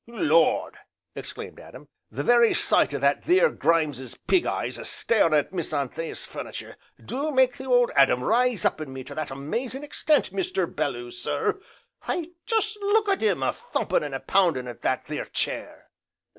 "Lord!" exclaimed Adam, "the very sight o' that theer Grimes's pig eyes a starin' at Miss Anthea's furnitur' do make the Old Adam rise up in me to that amazin' extent, Mr. Belloo sir why, jest look at 'im a thumpin' an' a poundin' at that theer chair!"